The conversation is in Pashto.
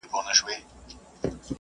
چي ویل به مي سبا درڅخه ځمه ,